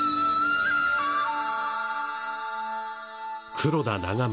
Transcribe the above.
黒田長政